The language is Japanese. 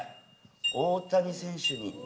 大谷選手に。